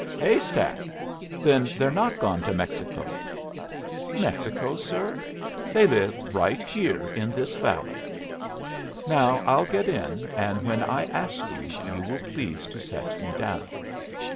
"Hay stack! Then they're not gone to Mexico!" "Mexico, sir? They live right here in this valley. Now I'll get in, and when I ask you, you will please to set me down."